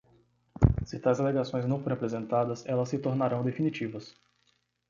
Se tais alegações não forem apresentadas, elas se tornarão definitivas.